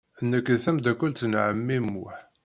Nekk d tameddakelt n ɛemmi Muḥ.